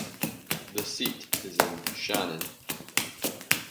The seat is in Shannon.